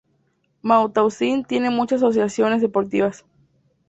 Mauthausen tiene muchas asociaciones deportivas.